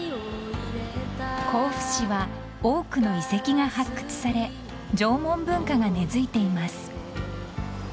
［甲府市は多くの遺跡が発掘され縄文文化が根付いています］